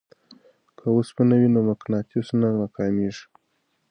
که اوسپنه وي نو مقناطیس نه ناکامیږي.